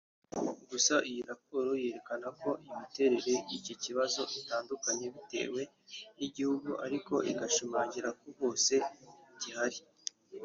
Gusa iyi raporo yerekana ko imiterer y’iki kibazo itandukanye bitwew n’igihugu ariko igashimangira ko hose gihari